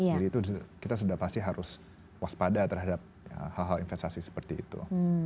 jadi itu kita sudah pasti harus waspada terhadap hal hal investasi seperti itu